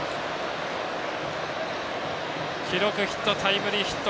記録、タイムリーヒット。